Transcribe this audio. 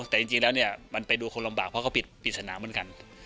แต่จริงแล้วเนี่ยมันไปดูคนลำบากเพราะเขาปิดสนามเหมือนกัน